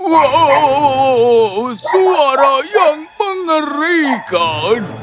wow suara yang mengerikan